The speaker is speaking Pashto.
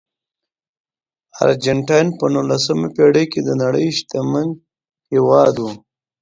ارجنټاین په نولسمه پېړۍ کې د نړۍ شتمن هېواد و.